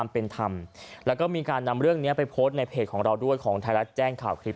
เป็นธรรมแล้วก็มีการนำเรื่องนี้ไปโพสต์ในเพจของเราด้วยของไทยรัฐแจ้งข่าวคลิป